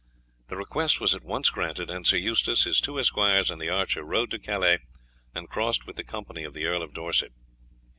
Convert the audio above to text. The request was at once granted, and Sir Eustace, his two esquires, and the archer rode to Calais, and crossed with the company of the Earl of Dorset.